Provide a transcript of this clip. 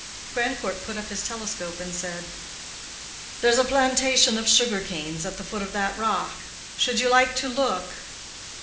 Grandcourt put up his telescope and said, "There's a plantation of sugar canes at the foot of that rock; should you like to look?"